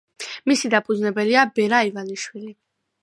მისი დამფუძნებელია ბერა ივანიშვილი.